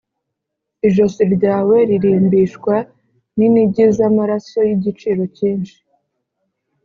Ijosi ryawe ririmbishwa n’inigi z’amasaro y’igiciro cyinshi.